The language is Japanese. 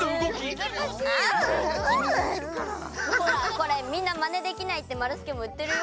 これみんなマネできないってまるすけもいってるよ。